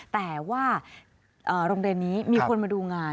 แต่ว่าโรงเรียนนี้มีคนมาดูงาน